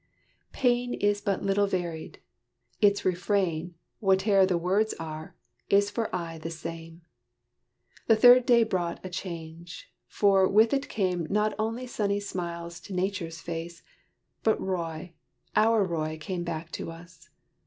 Pain is but little varied. Its refrain, Whate'er the words are, is for aye the same. The third day brought a change: for with it came Not only sunny smiles to Nature's face, But Roy, our Roy came back to us.